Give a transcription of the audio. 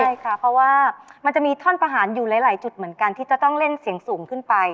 ใช่ค่ะเพราะว่ามันจะมีท่อนประหารอยู่หลายจุดเหมือนกันที่จะต้องเล่นเสียงสูงขึ้นไป